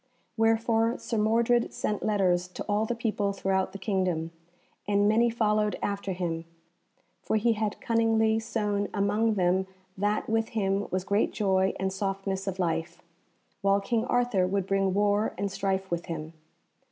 Wherefore Sir Mordred sent letters to all the people throughout the kingdom, and many followed after him, for he had cunningly sown among them that with him was great joy and softness of life, while King Arthur would bring war and strife with him.